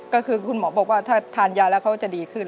ก็คือคุณหมอบอกว่าถ้าทานยาแล้วเขาจะดีขึ้น